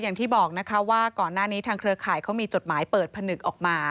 อย่างที่บอกนะคะว่าก่อนหน้านี้ทางเครือข่ายเขามีจดหมายเปิดผนึกออกมา